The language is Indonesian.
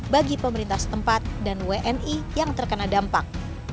bagi pemerintah setempat dan wni yang terkena dampak